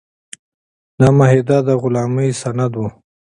دا معاهده د غلامۍ سند و.